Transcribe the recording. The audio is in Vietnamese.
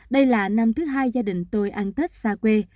đây là năm thứ hai gia đình tôi ăn tết xa quê